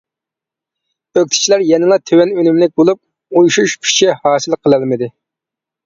ئۆكتىچىلەر يەنىلا تۆۋەن ئۈنۈملۈك بولۇپ، ئۇيۇشۇش كۈچى ھاسىل قىلالمىدى.